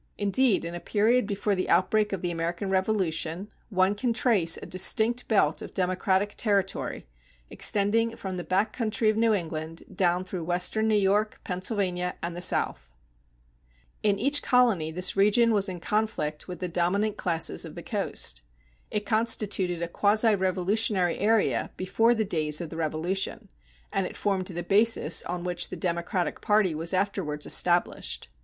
Indeed, in a period before the outbreak of the American Revolution, one can trace a distinct belt of democratic territory extending from the back country of New England down through western New York, Pennsylvania, and the South.[248:1] In each colony this region was in conflict with the dominant classes of the coast. It constituted a quasi revolutionary area before the days of the Revolution, and it formed the basis on which the Democratic party was afterwards established.